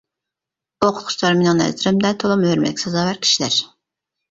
ئوقۇتقۇچىلار مېنىڭ نەزىرىمدە تولىمۇ ھۆرمەتكە سازاۋەر كىشىلەر.